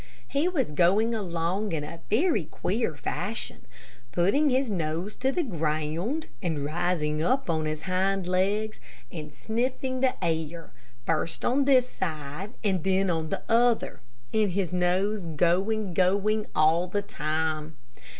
He was going along in a very queer fashion, putting his nose to the ground, and rising up on his hind legs, and sniffing the air, first on this side and then on the other, and his nose going, going all the time.